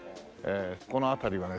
この辺りはね